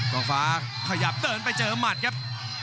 ก็ฟ้าขยับเดินไปเจอหมัดครับ